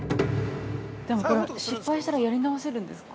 ◆でもこれは、失敗したらやり直せるんですか。